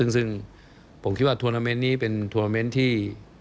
ซึ่งผมคิดว่าทวนาเมนต์นี้เป็นทวนาเมนต์ที่